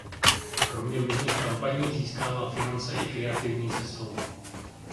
Kromě různých kampaní získává finance i kreativní cestou.